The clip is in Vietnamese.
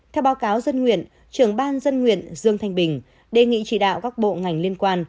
theo báo cáo dân nguyện trưởng ban dân nguyện dương thanh bình đề nghị chỉ đạo các bộ ngành liên quan